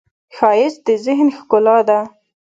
ښایست د ذهن ښکلا ده